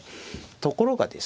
ところがですね